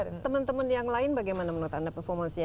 tapi teman teman yang lain bagaimana menurut anda performance nya